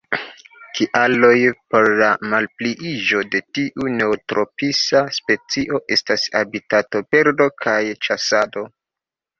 Kialoj por la malpliiĝo de tiu neotropisa specio estas habitatoperdo kaj ĉasado.